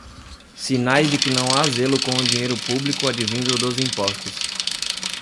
Sinais de que não há zelo com o dinheiro público advindo dos impostos